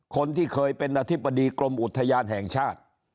คนที่เคยเป็นอธิบดีกรมอุทยานแห่งชาติ